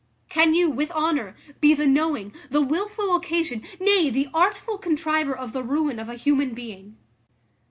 Can you, with honour, be the knowing, the wilful occasion, nay, the artful contriver of the ruin of a human being?